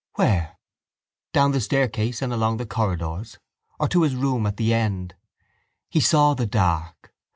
Where? Down the staircase and along the corridors or to his room at the end? He saw the dark.